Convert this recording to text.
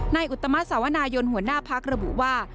อุตมะสาวนายนหัวหน้าพักระบุว่า